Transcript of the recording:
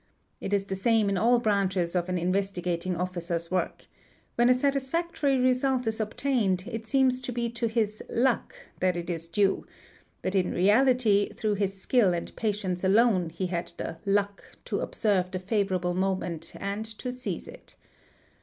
It is the same in all branches of an Investigating Officer's work: when a satisfactory result is obtained it seems to be to his "luck" that it is due; but in reality through his skill and patience alone he had the "luck" to observe the favourable moment and to seize it.